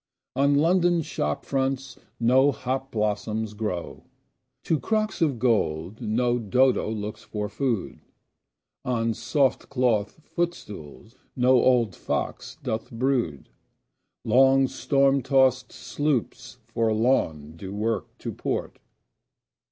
On London shop fronts no hop blossoms grow. To crocks of gold no Dodo looks for food. On soft cloth footstools no old fox doth brood. Long storm tost sloops forlorn do work to port.